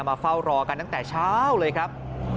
มาเฝ้ารอกันตั้งแต่เช้าเลยครับ